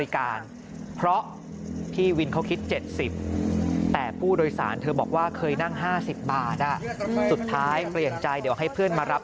ขอบคุณครับ